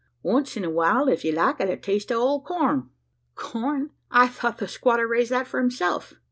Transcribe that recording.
Once in a while, if ye like it, a taste o' old corn." "Corn! I thought the squatter raised that for himself?"